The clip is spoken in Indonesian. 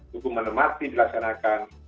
hukuman mati dilaksanakan